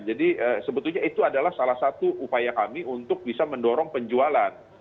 jadi sebetulnya itu adalah salah satu upaya kami untuk bisa mendorong penjualan